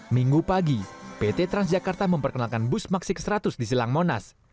minggu pagi pt transjakarta memperkenalkan bus maksi ke seratus di silang monas